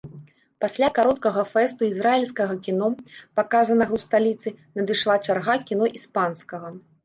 Пасля кароткага фэсту ізраільскага кіно, паказанага ў сталіцы, надышла чарга кіно іспанскага.